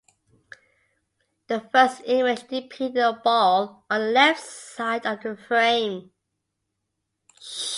The first image depicted a ball on the left side of the frame.